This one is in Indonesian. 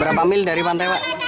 berapa mil dari pantai pak